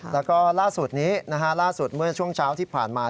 แล้วก็ล่าสุดนี้ล่าสุดเมื่อช่วงเช้าที่ผ่านมา